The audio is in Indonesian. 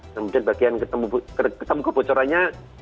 kemudian bagian ketemu kebocorannya